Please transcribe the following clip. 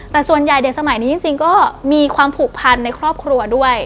แต่ส่วนใหญ่เด็กสมัยนี้จริงก็มีความผูกพันในครอบครัวด้วย